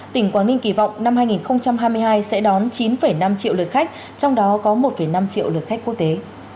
tỉnh quảng ninh kỳ vọng năm hai nghìn hai mươi hai sẽ đón chín năm triệu lượt khách trong đó có một năm triệu lượt khách quốc tế